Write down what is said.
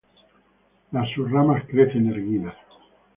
Las sub-ramas crecen erguidas.